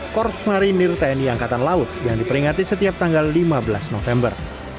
korps marinir tni angkatan laut yang diperingati setiap tanggal lima belas november